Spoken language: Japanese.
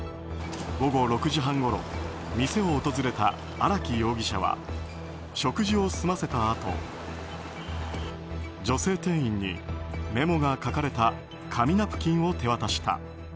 午後６時半ごろ店を訪れた荒木容疑者は食事を済ませたあと女性店員にメモが書かれた紙ナプキンを手渡した。